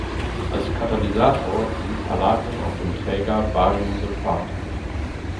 Als Katalysator dient Palladium auf dem Träger Bariumsulfat.